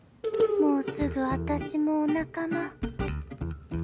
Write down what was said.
もうすぐあたしもお仲間